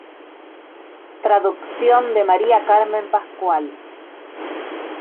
Traducción de María Carmen Pascual.